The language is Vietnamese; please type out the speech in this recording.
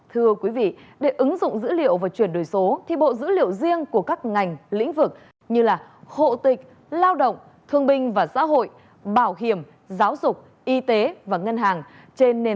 hãy đăng ký kênh để ủng hộ kênh của mình nhé